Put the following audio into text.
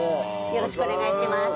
よろしくお願いします。